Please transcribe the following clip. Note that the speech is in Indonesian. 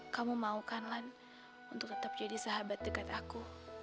kamu mau kanlan untuk tetap jadi sahabat dekat aku